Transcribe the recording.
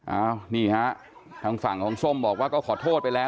อ้าวนี่ฮะทางฝั่งของส้มบอกว่าก็ขอโทษไปแล้ว